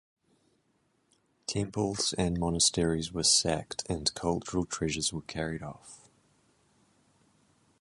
Temples and monasteries were sacked and cultural treasures were carried off.